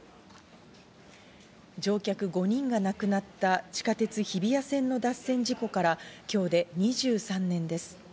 乗客５人が亡くなった地下鉄日比谷線の脱線事故から今日で２３年です。